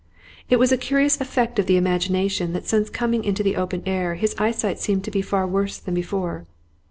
It was a curious effect of the imagination that since coming into the open air again his eyesight seemed to be far worse than before.